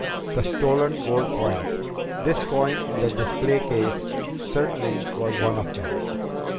The stolen gold coins! This coin in the display case certainly was one of them!